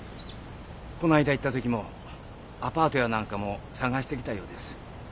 この間行ったときもアパートやなんかも探してきたようです。